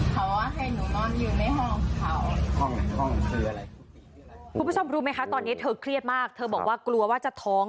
คุณผู้ชมรู้มั้ยคะตอนนี้เธอเครียดมากเธอบอกว่ากลัวว่าจะท้อง